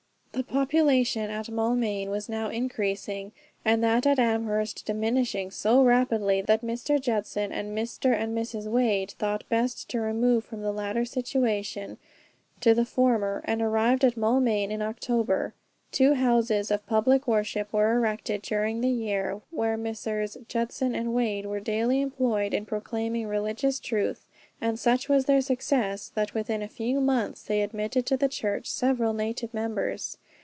The population at Maulmain was now increasing, and that at Amherst diminishing so rapidly, that Mr. Judson and Mr. and Mrs. Wade thought best to remove from the latter station to the former, and arrived at Maulmain in October. Two houses of public worship were erected during the year, where Messrs. Judson and Wade were daily employed in proclaiming religious truth, and such was their success, that within a few months they admitted to the church several native members.